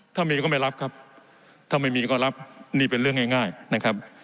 ถ้ามีก็ไม่รับครับถ้าไม่มีก็รับนี่เป็นเรื่องง่ายนะครับ